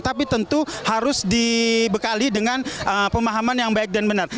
tapi tentu harus dibekali dengan pemahaman yang baik dan benar